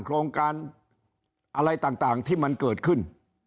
โครงการอะไรต่างที่มันเกิดขึ้น